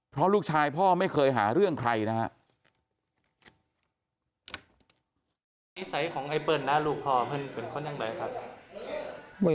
เพราะลูกชายพ่อไม่เคยหาเรื่องใครนะครับ